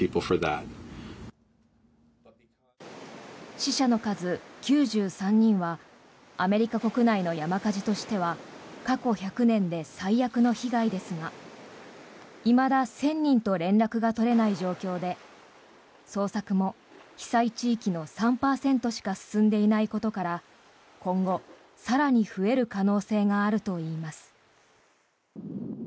死者の数９３人はアメリカ国内の山火事としては過去１００年で最悪の被害ですがいまだ１０００人と連絡が取れない状況で捜索も被災地域の３％しか進んでいないことから今後、更に増える可能性があるといいます。